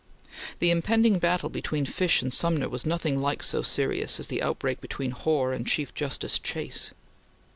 The impending battle between Fish and Sumner was nothing like so serious as the outbreak between Hoar and Chief Justice Chase.